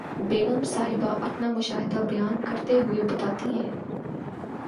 بیگم صاحبہ اپنا مشاہدہ بیان کرتے ہوئے بتاتی ہیں